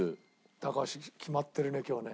高橋決まってるね今日ね。